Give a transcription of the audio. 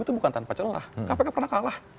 itu bukan tanpa celah kpk pernah kalah